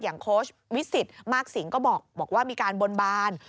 โค้ชวิสิตมากสิงก็บอกว่ามีการบนบาน